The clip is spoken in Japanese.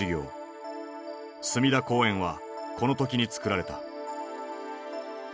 隅田公園はこの時につくられた。